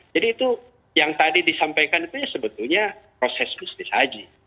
jadi itu yang tadi disampaikan itu ya sebetulnya proses bisnis haji